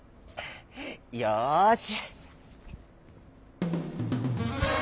よし！